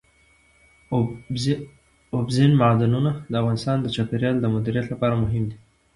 اوبزین معدنونه د افغانستان د چاپیریال د مدیریت لپاره مهم دي.